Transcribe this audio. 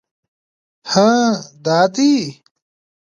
_هه! دا دی!